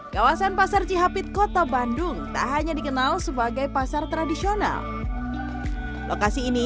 kawasan pasar cihapit kota bandung tak hanya dikenal sebagai pasar tradisional lokasi ini